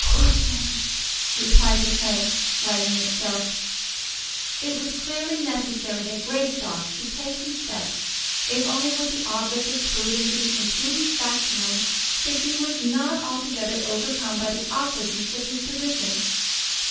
"Coosins!" replied the head, wagging itself. It was clearly necessary that Greystock should take some steps, if only with the object of proving to the impudent factotum that he was not altogether overcome by the awkwardness of his position.